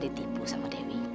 itu mas kamil